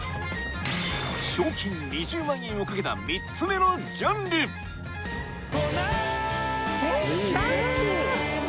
賞金２０万円を懸けた３つ目のジャンル大好き！